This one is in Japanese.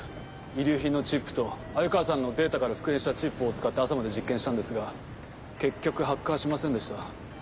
遺留品のチップと鮎川さんのデータから復元したチップを使って朝まで実験したんですが結局発火はしませんでした。